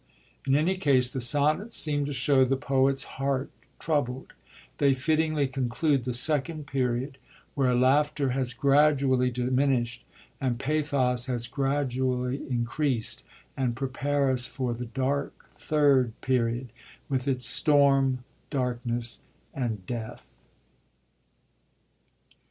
In any case, the Sonnets seem to show the poet's heart troubled; they fittingly conclude the Second Period, where laughter has gradually diminisht and pathos has gradually increast, and prepare us for the dark Third Period with its storm, darkness, and death.